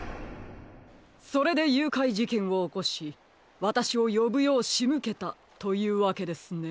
それでゆうかいじけんをおこしわたしをよぶようしむけたというわけですね。